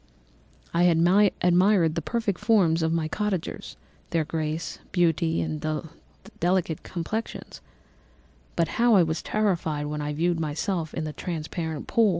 "I had admired the perfect forms of my cottagers—their grace, beauty, and delicate complexions; but how was I terrified when I viewed myself in a transparent pool!